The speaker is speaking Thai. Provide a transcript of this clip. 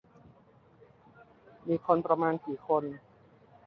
มีคนประมาณกี่คน